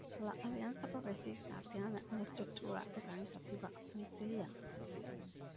La Alianza Progresista tiene una estructura organizativa sencilla.